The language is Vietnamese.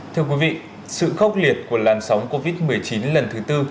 thưa quý vị sự khốc liệt của làn sóng covid một mươi chín lần thứ tư